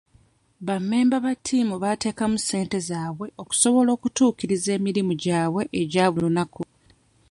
Ba mmemba ba ttiimu bateekamu ssente zaabwe okusobola okutuukiriza emirimu gyabwe egya buli lunaku.